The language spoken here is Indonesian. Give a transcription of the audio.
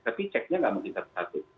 tapi ceknya nggak mungkin satu satu